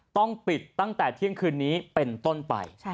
ต้องปิดตั้งแต่เที่ยงคืนนี้เป็นต้นไป